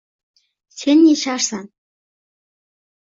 Sen yasharsan